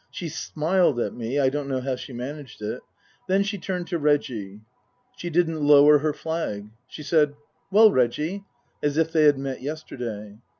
She smiled at me (I don't know how she managed it). Then she turned to Reggie. She didn't lower her flag. She said, " Well, Reggie," as if they had met yesterday.